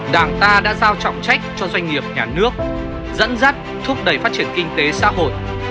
đảng ta đã giao trọng trách cho doanh nghiệp nhà nước dẫn dắt thúc đẩy phát triển kinh tế xã hội